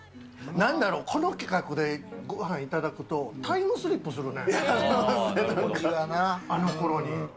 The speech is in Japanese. なんだろう、この企画でごはん頂くと、タイムスリップするね、あのころに。